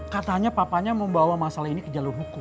katanya papanya mau bawa masalah ini ke jalur hukum